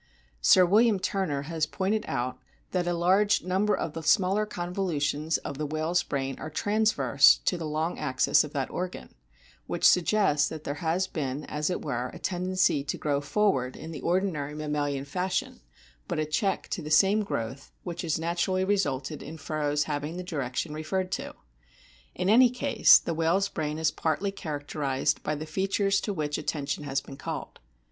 Sir William Turner has pointed out that a large number of the smaller convolutions of the whale's brain are transverse to the long axis of that organ, which suggests that there has been, as it were, a tendency to grow forward in the ordinary mammalian fashion, but a check to the same growth, which has naturally resulted in furrows having the direction referred to. In any case the whale's brain is partly characterised by the features to which atten tion has been called.